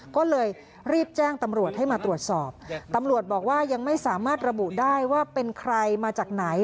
ก็เลยรีบแจ้งตำรวจให้มาตรวจสอบตำรวจบอกว่ายังไม่สามารถระบุได้ว่าเป็นใครมาจากไหน